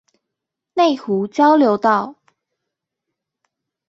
內湖交流道